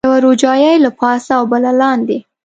یوه روجایۍ له پاسه او بله لاندې.